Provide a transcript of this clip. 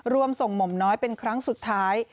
รวมส่งหม่อมน้อยเป็นครั้งสุดท้าย